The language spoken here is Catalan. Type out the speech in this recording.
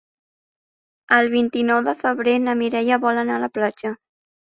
El vint-i-nou de febrer na Mireia vol anar a la platja.